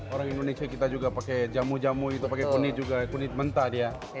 orang indonesia kita juga pakai jamu jamu itu pakai kuni juga kunit mentah dia